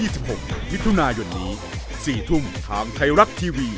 สวัสดีครับ